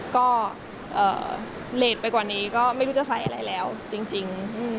ก็เลสไปกว่านี้ก็ไม่รู้จะใส่อะไรแล้วจริง